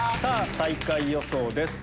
⁉最下位予想です。